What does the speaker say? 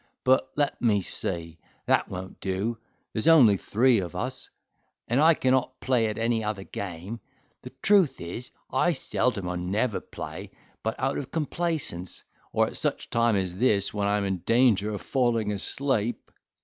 But let me see: that won't do, there's only three of us; and I cannot play at any other game. The truth is, I seldom or never play, but out of complaisance, or at such a time as this, when I am in danger of falling asleep."